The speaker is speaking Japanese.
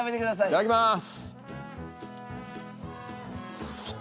いただきます！